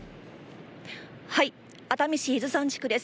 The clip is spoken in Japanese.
熱海市伊豆山地区です。